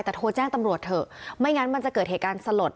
แต่โทรแจ้งตำรวจเถอะไม่งั้นมันจะเกิดเหตุการณ์สลด